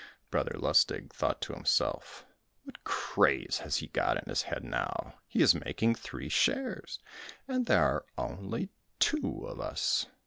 Brother Lustig thought to himself, "What craze has he got in his head now? He is making three shares, and there are only two of us!"